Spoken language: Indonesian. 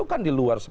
kan di luar sejarah